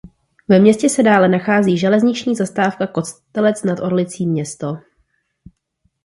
Ve městě se dále nachází železniční zastávka "Kostelec nad Orlicí město".